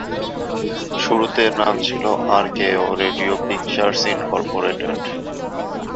শুরুতে এর নাম ছিল আরকেও রেডিও পিকচার্স ইনকর্পোরেটেড।